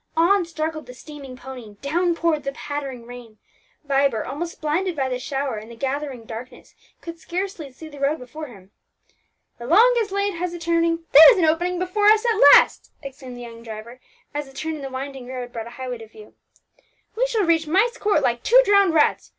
On struggled the steaming pony, down poured the pattering rain; Vibert, almost blinded by the shower and the gathering darkness, could scarcely see the road before him. "The longest lane has a turning, there is an opening before us at last!" exclaimed the young driver, as a turn in the winding road brought a highway to view. "We shall reach Myst Court like two drowned rats.